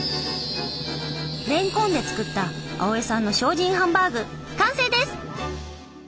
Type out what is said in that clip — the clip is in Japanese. れんこんで作った青江さんの精進ハンバーグ完成です！